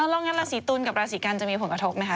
แล้วงั้นราศรีตุนกับราศรีกันจะมีผลกระทบนะครับ